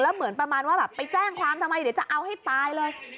เหมือนประมาณว่าแบบไปแจ้งความทำไมเดี๋ยวจะเอาให้ตายเลย